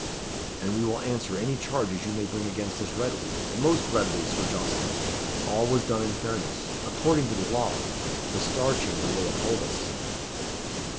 "And we will answer any charges you may bring against us readily most readily, Sir Jocelyn. All was done in fairness according to law. The Star Chamber will uphold us."